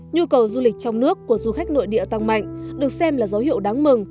nhu cầu du lịch trong nước của du khách nội địa tăng mạnh được xem là dấu hiệu đáng mừng